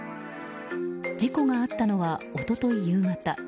事故があったのは一昨日夕方。